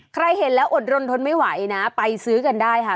ใครเห็นแล้วอดรนทนไม่ไหวนะไปซื้อกันได้ค่ะ